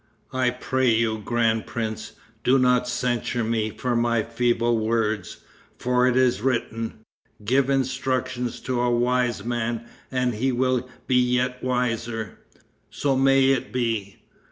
"I pray you, grand prince, do not censure me for my feeble words, for it is written, 'Give instruction to a wise man and he will be yet wiser.' So may it be.